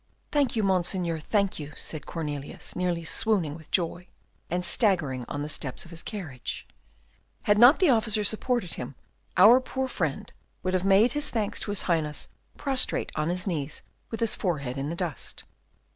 "Thank you, Monseigneur, thank you," said Cornelius, nearly swooning with joy, and staggering on the steps of his carriage; had not the officer supported him, our poor friend would have made his thanks to his Highness prostrate on his knees with his forehead in the dust.